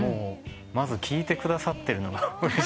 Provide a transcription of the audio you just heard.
まず聴いてくださってるのがうれしい。